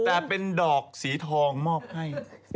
แต่เป็นดอกสีทองมอบให้